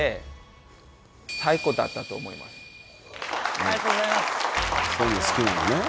ありがとうございます。